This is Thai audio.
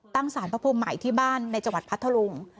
สารพระภูมิใหม่ที่บ้านในจังหวัดพัทธรุง